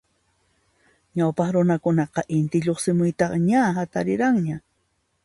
Ñawpaq runakunaqa Inti lluqsimuyta ña hatariranña.